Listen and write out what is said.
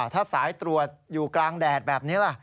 ถ้าสายตรวจอยู่กลางแดดแบบนี้ล่ะ